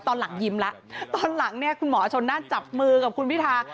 ตอนหลังยิ้มแล้วตอนหลังเนี่ยคุณหมอชนน่านจับมือกับคุณพิทา